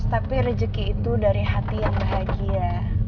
tapi rezeki itu dari hati yang bahagia